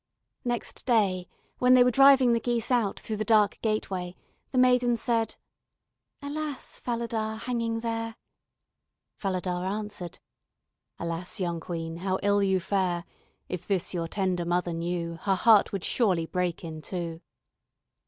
Next day when they were driving the geese out through the dark gateway, the maiden said: "Alas, Falada, hanging there Falada answered: "Alas, young Queen, how ill you fare! If this your tender mother knew, Her heart would surely break in two."